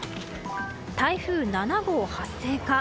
台風７号発生か。